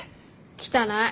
汚い。